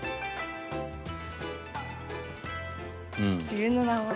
自分の名前。